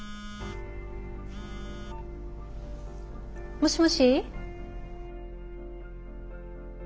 もしもし？